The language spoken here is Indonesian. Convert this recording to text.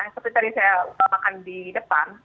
seperti tadi saya utamakan di depan